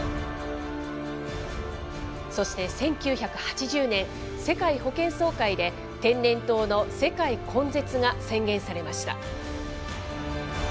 そして１９８０年、世界保健総会で、天然痘の世界根絶が宣言されました。